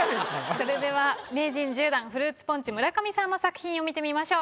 それでは名人１０段フルーツポンチ村上さんの作品を見てみましょう。